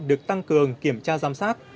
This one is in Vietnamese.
được tăng cường kiểm tra giám sát